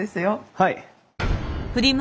はい。